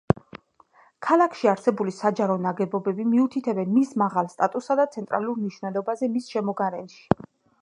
ქალაქში არსებული საჯარო ნაგებობები მიუთითებენ მის მაღალ სტატუსსა და ცენტრალურ მნიშვნელობაზე მის შემოგარენში.